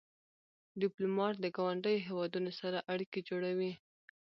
ډيپلومات د ګاونډیو هېوادونو سره اړیکې جوړوي.